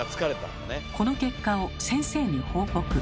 この結果を先生に報告。